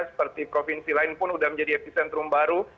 seperti provinsi lain pun sudah menjadi epicentrum baru